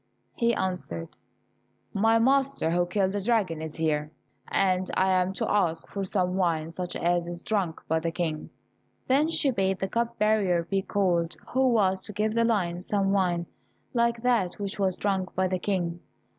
He answered, "My master, who killed the dragon, is here, and I am to ask for some wine such as is drunk by the King." Then she bade the cup bearer be called, who was to give the lion some wine like that which was drunk by the King.